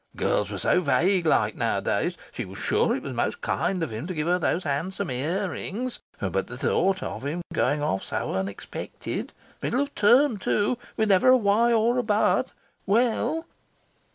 Girls were so vague like nowadays. She was sure it was most kind of him to give those handsome ear rings. But the thought of him going off so unexpected middle of term, too with never a why or a but! Well!